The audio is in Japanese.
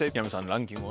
ランキング